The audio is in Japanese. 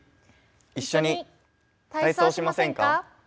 一緒に体操しませんか？